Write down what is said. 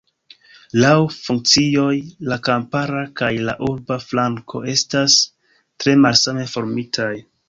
Laŭ funkcioj la kampara kaj la urba flanko estas tre malsame formitaj.